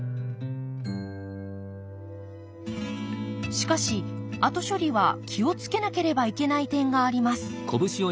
しかし後処理は気を付けなければいけない点があります。